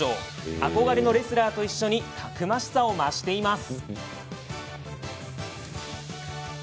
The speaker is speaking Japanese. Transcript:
憧れのレスラーと一緒にたくましさを増しています。